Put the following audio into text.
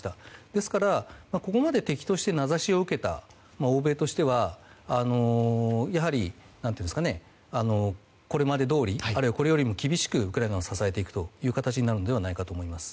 ですから、ここまで敵として名指しを受けた欧米としてはやはり、これまでどおりあるいはこれより厳しくウクライナを支えていくという形になるのではないかと思います。